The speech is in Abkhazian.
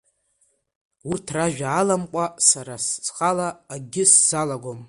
Урҭ ражәа аламкәа сара схала акгьы сзалагом.